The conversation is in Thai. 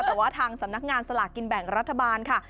แต่ว่าทางสำนักงานสลากกินแบ่งรัฐบาลค่ะ